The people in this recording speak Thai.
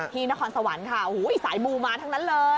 นครสวรรค์ค่ะสายมูมาทั้งนั้นเลย